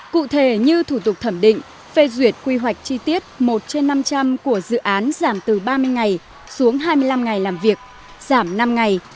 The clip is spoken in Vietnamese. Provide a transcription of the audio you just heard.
cụ thể như thủ tục thẩm định phê duyệt quy hoạch chi tiết một trên năm trăm linh của dự án giảm từ ba mươi ngày xuống hai mươi năm ngày làm việc giảm năm ngày